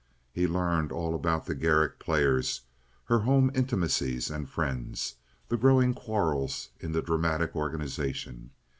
He learned all about the Garrick Players, her home intimacies and friends, the growing quarrels in the dramatic organization.